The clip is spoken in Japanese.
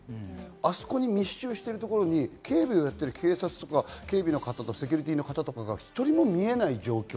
あそこに密集しているところに警備をやってる警察とか警備の方、セキュリティーの方とかが１人も見えない状態。